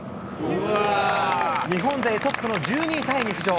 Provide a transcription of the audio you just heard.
日本勢トップの１２位タイに浮上。